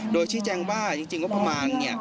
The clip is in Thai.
โดยชี้แจ้งว่าจริงงบประมาณ